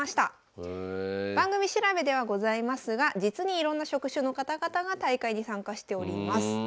番組調べではございますが実にいろんな職種の方々が大会に参加しております。